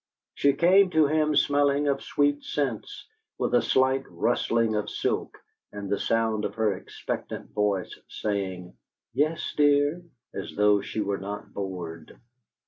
She came to him smelling of sweet scents, with a slight rustling of silk, and the sound of her expectant voice, saying, "Yes, dear?" as though she were not bored.